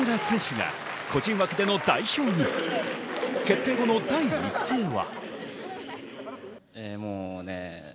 決定後の第一声は。